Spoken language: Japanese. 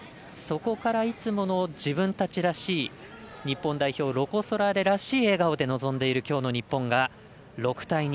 そこからいつもの自分たちらしい日本代表ロコ・ソラーレらしい笑顔で臨んでいるきょうの日本は６対２。